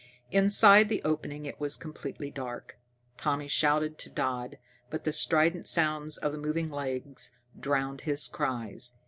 Inside the opening it was completely dark. Tommy shouted to Dodd, but the strident sounds of the moving legs drowned his cries.